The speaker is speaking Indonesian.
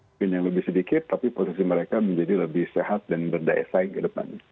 mungkin yang lebih sedikit tapi posisi mereka menjadi lebih sehat dan berdaya saing ke depan